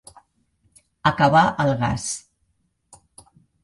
Acabar el gas.